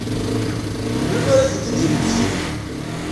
Melmi ara ad tent-id-yemmekti?